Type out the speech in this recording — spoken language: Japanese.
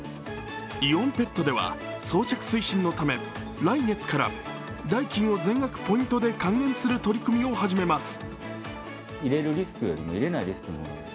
イオンペットでは、装着推進のため来月から代金を全額ポイントで還元する取り組みを始めます。